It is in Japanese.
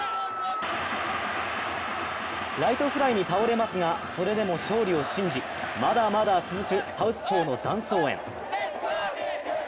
ライトフライに倒れますが、それでも勝利を信じまだまだ続く「サウスポー」のダンス応援。